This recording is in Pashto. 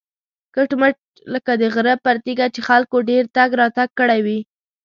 کټ مټ لکه د غره پر تیږه چې خلکو ډېر تګ راتګ کړی وي.